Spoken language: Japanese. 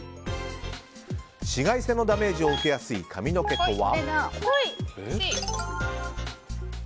紫外線のダメージを受けやすい髪の毛とは。